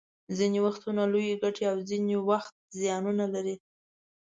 ځینې وختونه لویې ګټې او ځینې وخت زیانونه لري